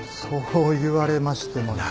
そう言われましても。